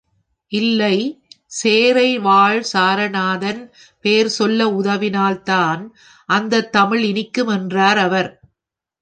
இல்லை, சேறை வாழ் சாரநாதன் பேர் சொல்ல உதவினால்தான் அந்தத் தமிழ் இனிக்கும் என்கிறார் அவர்.